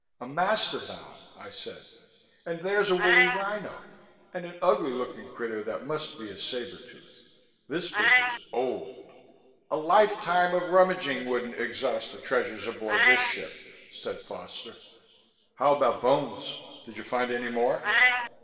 "A mastodon," I said. "And there's a woolly rhino, and an ugly looking critter that must be a sabre tooth. This book is old...." "A lifetime of rummaging wouldn't exhaust the treasures aboard this ship," said Foster. "How about bones? Did you find any more?"